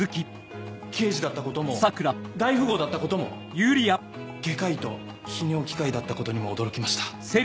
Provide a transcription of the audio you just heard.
刑事だったことも大富豪だったことも外科医と泌尿器科医だったことにも驚きました。